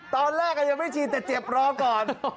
ตอนแรกยังไม่ฉีดแต่เจ็บรอก่อน